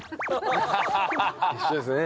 一緒ですね。